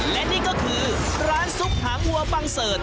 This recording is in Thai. และนี่ก็คือร้านซุปหางวัวบังเสิร์ช